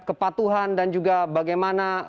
kepatuhan dan juga bagaimana